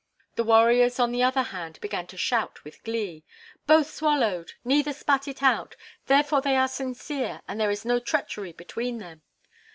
The warriors on the other hand began to shout with glee: "Both swallowed; neither spat it out; therefore they are sincere and there is no treachery between them."